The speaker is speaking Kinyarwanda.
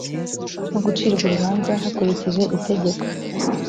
no gucirwa urubanza hakurikije itegeko